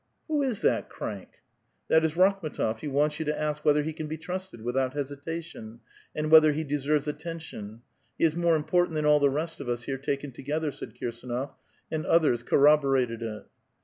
" Who is that crank 1?" " That is Kakhm^tof ; he wants you to ask whether he can be trusted, — without hesitation ; and whether he deserves at tention — he is more important than all the rest of us here taken together," said Kirsdnof, and others corroborated it.